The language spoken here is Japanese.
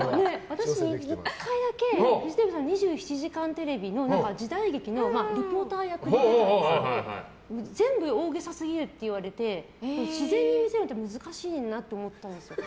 私、１回だけフジテレビさんの「２７時間テレビ」の時代劇のリポーター役をやって全部大げさすぎるって言われて自然に見せるって難しいなと思ったんですよ。